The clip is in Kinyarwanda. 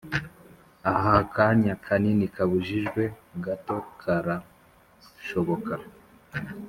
ah akanya kanini kabujijwe, gato karashoboka